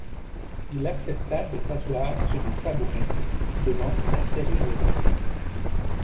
Il accepta de s'asseoir sur un tabouret, devant la serrurerie.